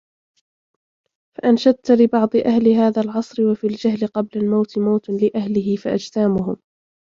فَأَنْشَدْت لِبَعْضِ أَهْلِ هَذَا الْعَصْرِ وَفِي الْجَهْلِ قَبْلَ الْمَوْتِ مَوْتٌ لِأَهْلِهِ فَأَجْسَامُهُمْ